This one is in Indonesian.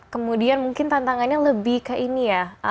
kemudian mungkin tantangannya lebih ke ini ya